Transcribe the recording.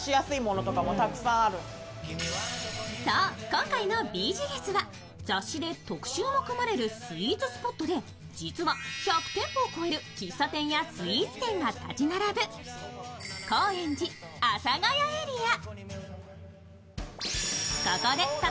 今回のＢＧＳは雑誌で特集も組まれるスイーツスポットで実は１００店舗を超える喫茶店やスイーツ店が立ち並ぶ、高円寺・阿佐ヶ谷エリア。